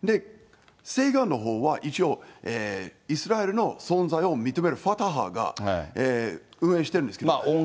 西岸のほうは一応、イスラエルの存在を認めるファタハが運営しているんですけど。